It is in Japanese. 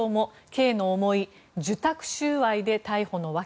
刑の重い受託収賄で逮捕の訳。